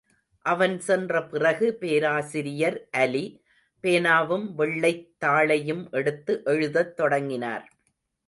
அவன் சென்ற பிறகு பேராசிரியர் அலி, பேனாவும் வெள்ளைத் தாளையும் எடுத்து எழுதத் தொடங்கினார்.